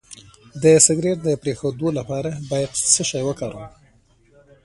د سګرټ د پرېښودو لپاره باید څه شی وکاروم؟